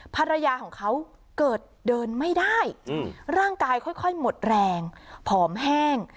ภรรยาของเขาเกิดเดินไม่ได้ร่างกายค่อยหมดแรงผอมแห้ง